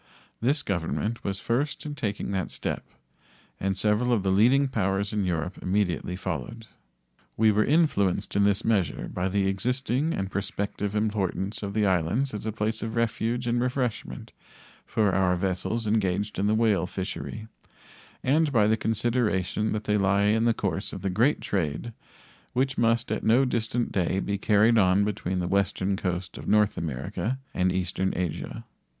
This Government was first in taking that step, and several of the leading powers of Europe immediately followed. We were influenced in this measure by the existing and prospective importance of the islands as a place of refuge and refreshment for our vessels engaged in the whale fishery, and by the consideration that they lie in the course of the great trade which must at no distant day be carried on between the western coast of North America and eastern Asia.